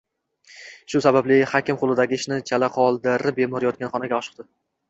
Shu sababli hakim qo`lidagi ishini chala qoldirib, bemor yotgan xonaga oshiqdi